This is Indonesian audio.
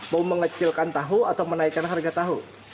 mau mengecilkan tahu atau menaikkan harga tahu